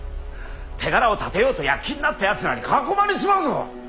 手柄を立てようと躍起になったやつらに囲まれちまうぞ。